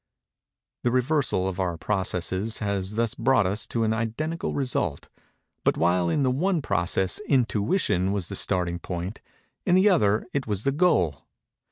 The reversal of our processes has thus brought us to an identical result; but, while in the one process intuition was the starting point, in the other it was the goal.